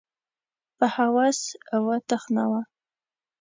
په هوس وتخناوه